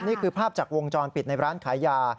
นี่คือภาพจากวงจรปิดในร้านขายยา